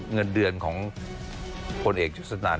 เงินเดือนของพลเอกยศนาน